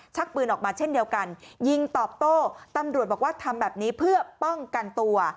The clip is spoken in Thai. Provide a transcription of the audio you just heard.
ชักปืนออกมาเช่นเดียวกันยิงตอบโต้ตำรวจบอกว่าทำแบบนี้เพื่อป้องกันตัว